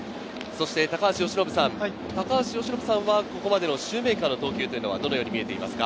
そして高橋由伸さん、ここまでのシューメーカーを投球はどのように見えていますか？